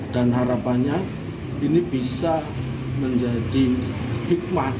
dan harapannya ini bisa menjadi hikmah